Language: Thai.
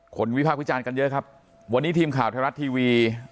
วิพากษ์วิจารณ์กันเยอะครับวันนี้ทีมข่าวไทยรัฐทีวี